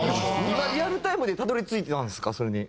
今リアルタイムでたどり着いてたんですかそれに。